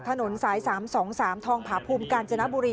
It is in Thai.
ถนนสาย๓๒๓ทองผาภูมิกาญจนบุรี